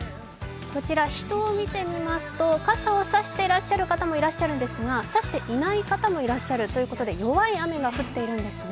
こちら人を見てみますと、傘を差してらっしゃる方もいるんですが、差していない方もいらっしゃるということで弱い雨が降っているんですね。